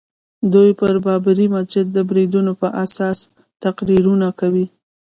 دوی پر بابري مسجد د بریدونو په اساس تقریرونه کوي.